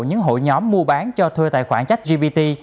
những hội nhóm mua bán cho thuê tài khoản chách gbt